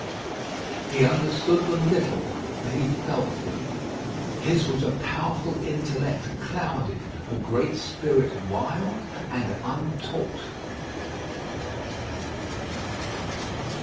He understood them little, but he felt them. His was a powerful intellect clouded; a great spirit wild and untaught.